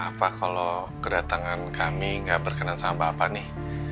apa kalau kedatangan kami nggak berkenan sama bapak nih